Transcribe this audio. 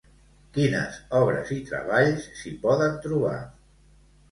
Quines obres i treballs s'hi poden trobar?